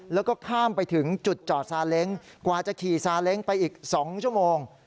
แล้วก็ข้ามไปถึงจุดจอดซาเล้งกว่าจะขี่ซาเล้งไปอีก๒ชั่วโมง